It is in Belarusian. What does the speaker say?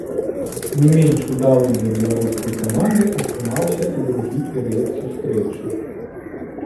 Не менш удалым для беларускай каманда атрымаўся і другі перыяд сустрэчы.